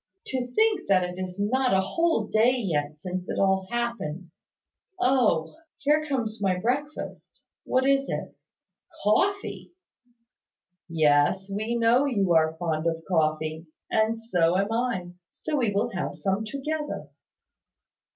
To think that it is not a whole day yet since it all happened! Oh! Here comes my breakfast. What is it? Coffee!" "Yes: we know you are fond of coffee; and so am I. So we will have some together."